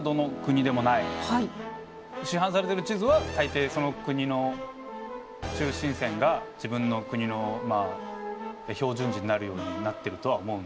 市販されてる地図は大抵その国の中心線が自分の国の標準時になるようになってるとは思うんですけど見やすく。